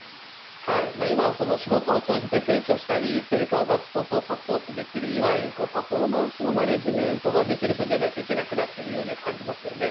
今、仕事を通じて成長したり成果を出すことをサポートできるいわゆるパフォーマンスのマネジメントができる人でないといけなくなっています。